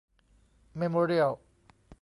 เมโมเรียล